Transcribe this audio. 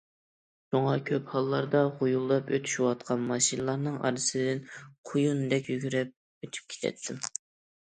شۇڭا كۆپ ھاللاردا غۇيۇلداپ ئۆتۈشۈۋاتقان ماشىنىلارنىڭ ئارىسىدىن قويۇندەك يۈگۈرۈپ ئۆتۈپ كېتەتتىم.